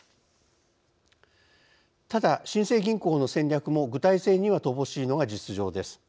ただ新生銀行の戦略も具体性には乏しいのが実情です。